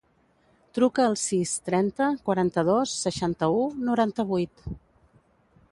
Truca al sis, trenta, quaranta-dos, seixanta-u, noranta-vuit.